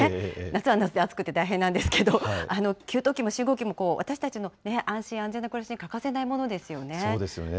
夏は夏で暑くて大変なんですけど、給湯器も信号機も、私たちの安心、安全な暮らしに欠かせないものですよね。